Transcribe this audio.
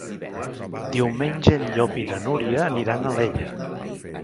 Diumenge en Llop i na Núria aniran a Alella.